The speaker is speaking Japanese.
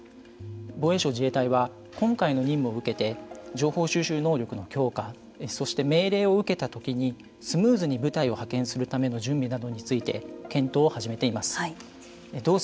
防衛省、自衛隊は今回の任務を受けて情報収集能力の強化そして、命令を受けたときにスムーズに部隊を派遣するための準備について検討を始めています。